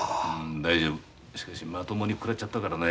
しかしまともに食らっちゃったからね。